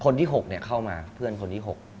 คนที่๖เข้ามาเพื่อนคนที่๖